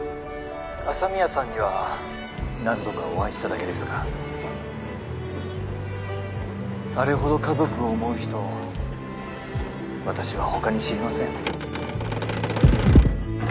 朝宮さんには何度かお会いしただけですがあれほど家族を思う人私は他に知りません